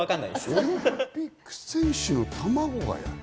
オリンピック選手の卵がやる？